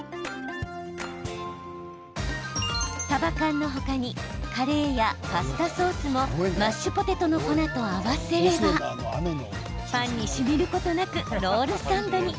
さば缶の他にカレーやパスタソースもマッシュポテトの粉と合わせればパンにしみることなくロールサンドに。